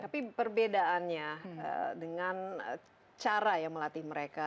tapi perbedaannya dengan cara ya melatih mereka